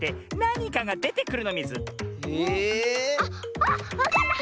⁉あっあっわかった！